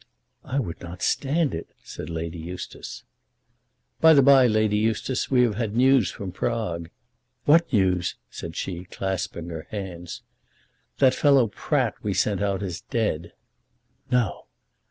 "I would not stand it," said Lady Eustace. "By the bye, Lady Eustace, we have had news from Prague." "What news?" said she, clasping her hands. "That fellow Pratt we sent out is dead." "No!"